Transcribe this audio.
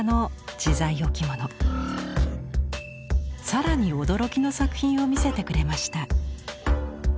更に驚きの作品を見せてくれました。